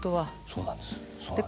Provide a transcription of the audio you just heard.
そうなんです。